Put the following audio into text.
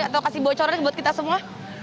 atau kasih bocoran buat kita semua